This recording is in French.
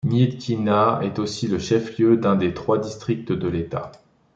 Myitkyina est aussi le chef-lieu d'un des trois districts de l'État.